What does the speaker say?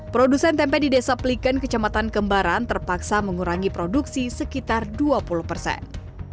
produsen tempe di desa peliken kecamatan kembaran terpaksa mengurangi produksi sekitar dua puluh persen